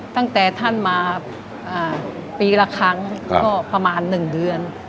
ตั้งแต่ท่านมาปีละครั้งก็ประมาณ๑เดือน